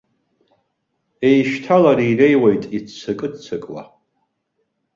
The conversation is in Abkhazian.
Еишьҭаланы инеиуеит иццакы-ццакуа.